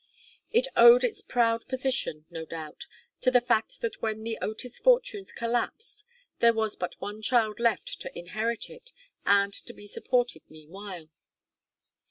It owed its proud position, no doubt, to the fact that when the Otis fortunes collapsed there was but one child left to inherit it and to be supported meanwhile.